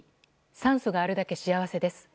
酸素があるだけ幸せです。